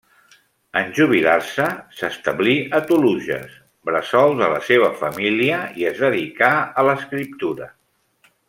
En jubilar-se s'establí a Toluges, bressol de la seva família, i es dedicà a l'escriptura.